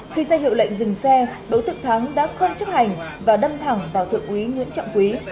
khi ra hiệu lệnh dừng xe đỗ thực thắng đã không chấp hành và đâm thẳng vào thượng quý nguyễn trọng quý